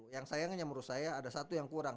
yang sayangnya menurut saya ada satu yang kurang